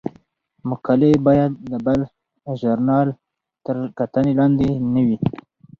مقالې باید د بل ژورنال تر کتنې لاندې نه وي.